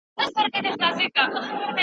موږ د سياست په اړه رښتيا وايو.